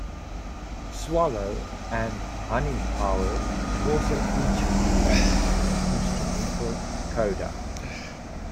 "Swallow" and "Honey Power" also each contain an instrumental coda.